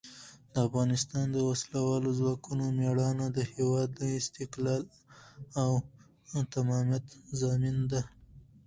د افغانستان د وسلوالو ځواکونو مېړانه د هېواد د استقلال او تمامیت ضامن ده.